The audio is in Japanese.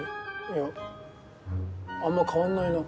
いやあんま変わんないな。